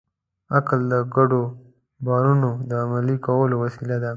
عقل د ګډو باورونو د عملي کولو وسیله ده.